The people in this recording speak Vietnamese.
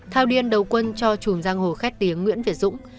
thao điên đầu quân cho chùm giang hồ khét tiếng nguyễn việt dũng